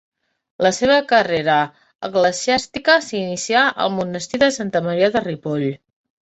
La seva carrera eclesiàstica s'inicià al monestir de Santa Maria de Ripoll.